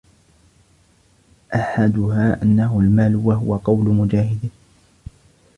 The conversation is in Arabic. أَحَدُهَا أَنَّهُ الْمَالُ وَهُوَ قَوْلُ مُجَاهِدٍ